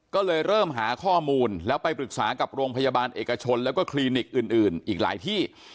ก็เลยเริ่มหาข้อมูลแล้วไปปรึกษากับโรงพยาบาลเอกชนแล้วก็คลินิกอื่นอีกหลายที่